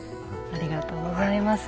ありがとうございます。